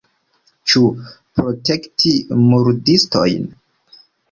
Ĉu protekti murdistojn?